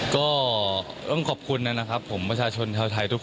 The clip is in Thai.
ก็ต้องขอบคุณนะครับผมประชาชนชาวไทยทุกคน